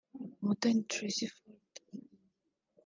Umutoni Tracy Ford